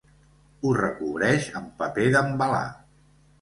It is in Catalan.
Ho recobreix amb paper d'embalar.